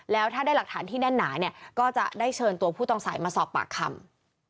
แล้วถ้าได้หลักฐานที่แน่นหนาเนี่ยก็จะได้เชิญตัวผู้ต้องสายมาสอบปากคำ